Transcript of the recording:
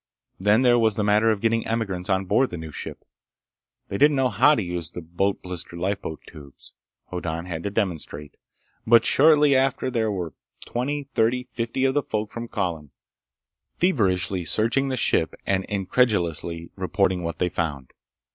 Then there was the matter of getting emigrants on board the new ship. They didn't know how to use the boat blister lifeboat tubes. Hoddan had to demonstrate. But shortly after there were twenty, thirty, fifty of the folk from Colin, feverishly searching the ship and incredulously reporting what they found.